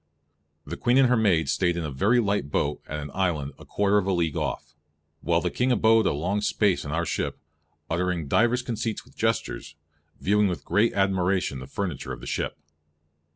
The Queene and her maids staied in a very light boat at an island a quarter of a league off, while the King abode a long space in our ship, uttering divers conceits with gestures, viewing with great admiration the furniture of the shippe.